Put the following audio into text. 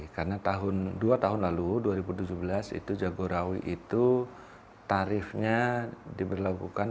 karena dua tahun lalu dua ribu tujuh belas jagorawi itu tarifnya diberlakukan